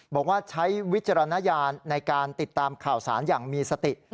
บอกว่าใช้วิจารณญาณในการติดตามข่าวสารอย่างมีสติ